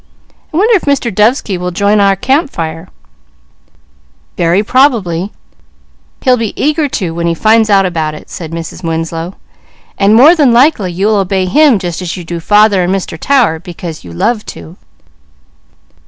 I wonder if Mr. Dovesky will join our campfire?" "Very probably he'll be eager to," said Mrs. Winslow, "and more than likely you'll obey him, just as you do father and Mr. Tower, because you love to."